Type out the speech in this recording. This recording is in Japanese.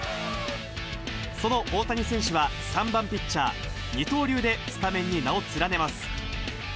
その大谷選手は、３番ピッチャー、二刀流でスタメンに名を連ねます。